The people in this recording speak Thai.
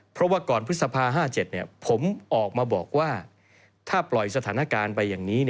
เพราะว่าก่อนพฤษภา๕๗ผมออกมาบอกว่าถ้าปล่อยสถานการณ์ไปอย่างนี้